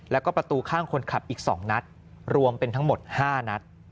แล้วก็ประตูข้างคนขับอีก๒นัดรวมเป็นทั้งหมด๕นัด